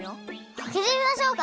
あけてみましょうか。